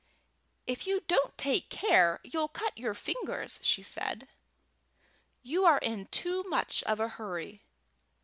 "If you don't take care, you'll cut your fingers," said she. "You are in too much of a hurry.